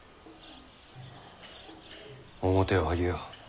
面を上げよ。